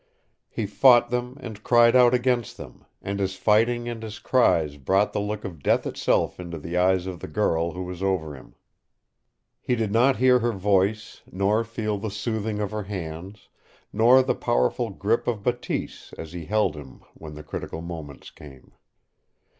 He fought them and cried out against them, and his fighting and his cries brought the look of death itself into the eyes of the girl who was over him. He did not hear her voice nor feel the soothing of her hands, nor the powerful grip of Bateese as he held him when the critical moments came.